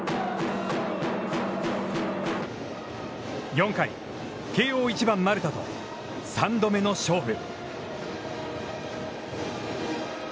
４回、慶応１番丸田と３度目の勝負。